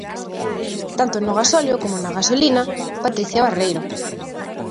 Tanto no gasóleo como na gasolina, Patricia Barreiro.